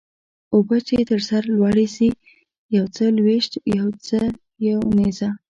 اوبه چې تر سر لوړي سي څه يوه لويشت څه يو نيزه.